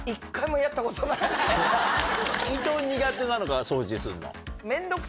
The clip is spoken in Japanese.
いとう苦手なのか掃除するの。